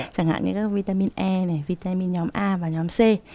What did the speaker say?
chẳng hạn như các vitamin e này vitamin nhóm a và nhóm c